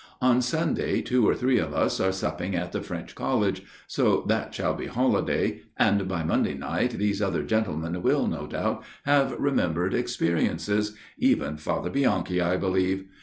On Sunday two or three of us are supping at the French College, so that shall be holiday, and by Monday night these other gentlemen will, no doubt, have remembered experiences even Father Bianchi, I believe.